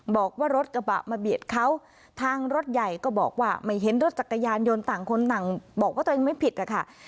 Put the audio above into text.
บอกว่ารถกระบะมาเบียดเขาทางรถใหญ่ก็บอกว่าไม่เห็นรถจักรยานยนต์ต่างคนต่างบอกว่าตัวเองไม่ผิดนะคะ